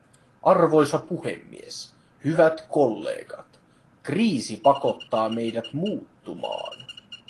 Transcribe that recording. Arvoisa puhemies, hyvät kollegat, kriisi pakottaa meidät muuttumaan.